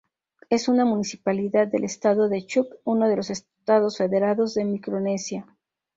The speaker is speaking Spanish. Es una municipalidad del Estado de Chuuk, uno de los Estados Federados de Micronesia.